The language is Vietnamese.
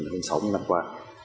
hơn sáu mươi năm qua